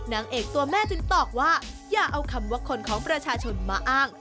นางเอกตัวแม่จึงตอบว่าอย่าเอาคำว่าคนของประชาชนมาอ้าง